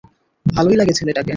ভালোই লাগে ছেলেটাকে।